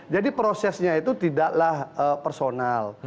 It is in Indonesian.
jadi prosesnya itu tidak lah personal